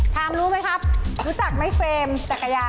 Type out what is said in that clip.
รู้ไหมครับรู้จักไหมเฟรมจักรยาน